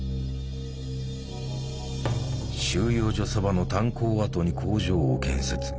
収容所そばの炭鉱跡に工場を建設。